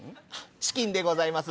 チキンでございます。